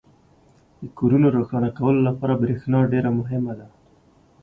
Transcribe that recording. • د کورونو روښانه کولو لپاره برېښنا ډېره مهمه ده.